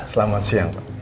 selamat siang pak